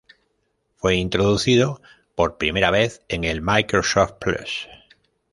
Fue introducido por primera vez en el Microsoft Plus!